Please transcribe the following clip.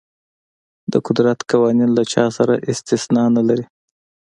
د قدرت قوانین له چا سره استثنا نه لري.